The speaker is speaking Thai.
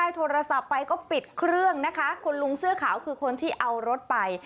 โทรศัพท์ไปก็ปิดเครื่องนะคะคุณลุงเสื้อขาวคือคนที่เอารถไป